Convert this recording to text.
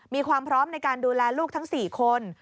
มีความพร้อมในการดูแลลูกทั้ง๔คน